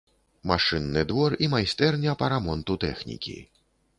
Машынны двор і майстэрня па рамонту тэхнікі.